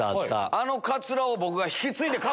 あのカツラを僕が。